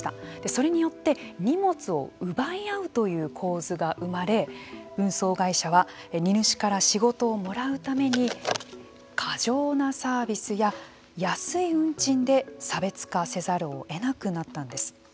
それによって、荷物を奪い合うという構図が生まれ運送会社は荷主から仕事をもらうために過剰なサービスや安い運賃で差別化せざるをえなくなったんです。